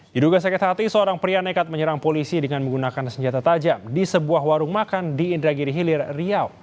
diduga sakit hati seorang pria nekat menyerang polisi dengan menggunakan senjata tajam di sebuah warung makan di indragiri hilir riau